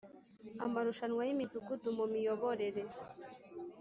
amarushanwa y Imidugudu mu Miyoborere